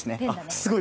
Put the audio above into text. すごい！